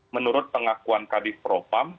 menurut pengakuan kadif propam